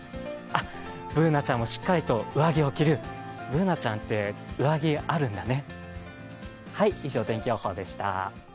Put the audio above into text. Ｂｏｏｎａちゃんもしっかりと上着を着る、Ｂｏｏｎａちゃんって上着、あるんだね。